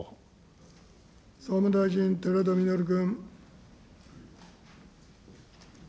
総務大臣、寺田稔君。